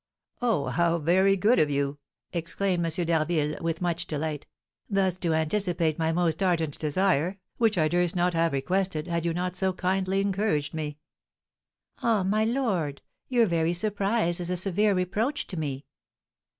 "Oh, how very good of you," exclaimed M. d'Harville, with much delight, "thus to anticipate my most ardent desire, which I durst not have requested had you not so kindly encouraged me!" "Ah, my lord, your very surprise is a severe reproach to me."